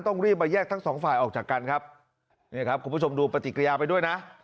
ต้องรีบมาแยกทั้งสองฝ่ายออกจากกันครับนี่ครับคุณผู้ชมดูปฏิกิริยาไปด้วยนะ